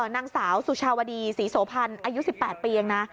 นางสาวสุชาวดีศรีโสพันธ์อายุ๑๘ปีเองนะ